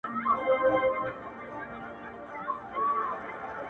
ارام وي، هیڅ نه وايي، سور نه کوي، شر نه کوي,